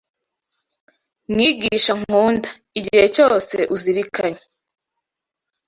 Mwigisha nkunda, igihe cyose uzirikanye